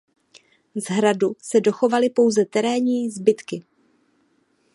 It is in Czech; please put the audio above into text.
Z hradu se dochovaly pouze terénní zbytky.